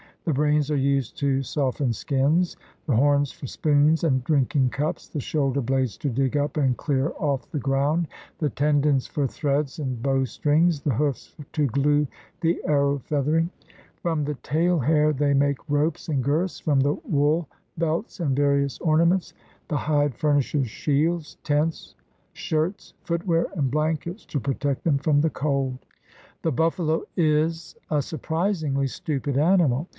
The brains are used to soften skins, the horns for spoons and drinking cups, the shoulder blades to dig up and clear off the ground, the tendons for threads and bow strings, the hoofs to glue the arrow feath ering. From the tail hair they make ropes and girths, from the wool, belts and various 154 THE RED MAN'S CONTINENT ornaments. The hide furnishes ... shields, tents, shirts, footwear, and blankets to protect them from the cold."' The buffalo is a surprisingly stupid animal.